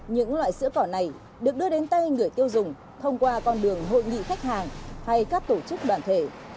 những loại sữa cỏ này được đưa đến tay người tiêu dùng thông qua con đường hội nghị khách hàng hay các tổ chức đoàn thể